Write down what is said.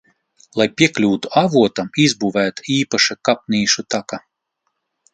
Lai piekļūtu avotam, izbūvēta īpaša kāpnīšu taka.